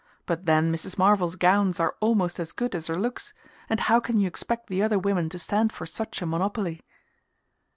But then Mrs. Marvell's gowns are almost as good as her looks and how can you expect the other women to stand for such a monopoly?"